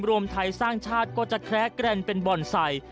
รวมไทยสร้างชาติก็จะแคล้แกรนเป็นบ่อนใส่